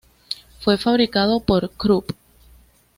Fue fabricado por Krupp.